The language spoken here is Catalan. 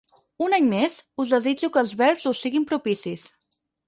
Un any més, us desitjo que els verbs us siguin propicis.